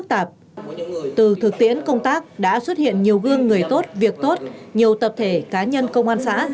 từ thực tiễn công tác đã xuất hiện nhiều gương người tốt việc tốt nhiều tập thể cá nhân công an xã